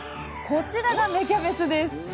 こちらが芽キャベツです。